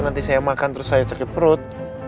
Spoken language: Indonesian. nanti saya makan terus saya sakit perut